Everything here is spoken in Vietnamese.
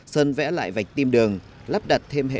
sơn vẽ lại vạch tim đường lắp đặt thêm hệ thống